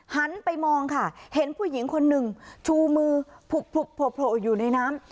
หันไปมองค่ะเห็นผู้หญิงคนหนึ่งชูมือโผล่อยู่ในน้ำ